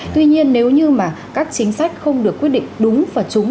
tuy nhiên nếu như mà các chính sách không được quyết định đúng và trúng